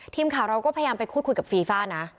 ทีมข่าวเราก็พยายามไปพูดคุยกับฟีฟ่านะ